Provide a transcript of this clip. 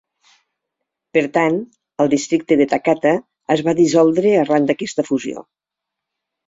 Per tant, el districte de Takata es va dissoldre arran d'aquesta fusió.